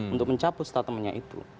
untuk mencabut statemenya itu